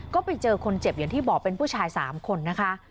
ก็ไปเจอคนเจ็บอย่างที่บอกเป็นผู้ชาย๓คนนะคะ